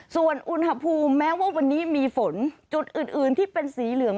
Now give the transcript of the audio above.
ส่วนอุณหภูมิแม้ว่าวันนี้มีฝนจุดอื่นที่เป็นสีเหลือง